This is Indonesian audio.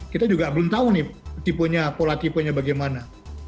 kita juga belum tahu nih pola tipenya bagaimana